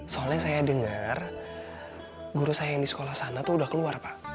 soalnya saya dengar guru saya yang di sekolah sana tuh udah keluar pak